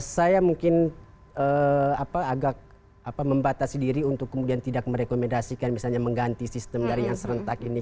saya mungkin agak membatasi diri untuk kemudian tidak merekomendasikan misalnya mengganti sistem dari yang serentak ini